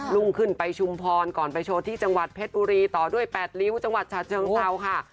รุ่งขึ้นไปชุมพรก่อนไปโชว์ที่จังหวัดเพชรบุรีต่อด้วย๘ริ้วจังหวัดฉะเชิงเซาค่ะ